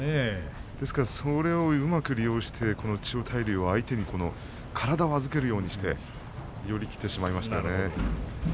ですから、それをうまく利用して千代大龍は相手に体を預けるようにして寄り切ってしまいましたね。